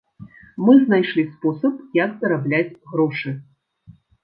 Мы знайшлі спосаб, як зарабляць грошы.